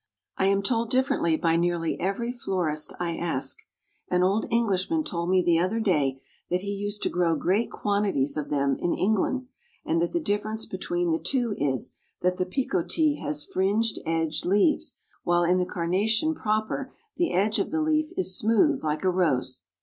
I am told differently by nearly every florist I ask. An old Englishman told me the other day that he used to grow great quantities of them in England, and that the difference between the two is, that the Picotee has fringed edged leaves, while in the Carnation proper the edge of the leaf is smooth like a rose."